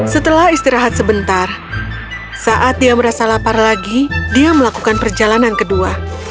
setelah istirahat sebentar saat dia merasa lapar lagi dia melakukan perjalanan kedua